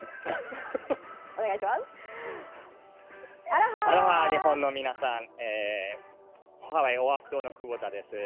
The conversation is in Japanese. アロハ、日本の皆さん、ハワイ・オアフ島の久保田です。